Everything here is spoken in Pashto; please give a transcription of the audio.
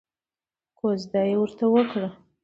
کوژده یې ورته وکړه.